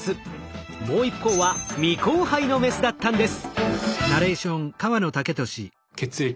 もう一方は未交配のメスだったんです。